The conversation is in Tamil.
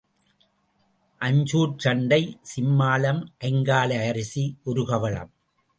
அஞ்சூர்ச் சண்டை சிம்மாளம் ஐங்கல அரிசி ஒரு கவளம்.